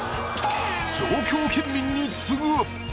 上京県民に告ぐ！